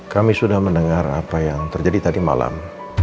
kami sudah mendengar apa yang terjadi tadi malam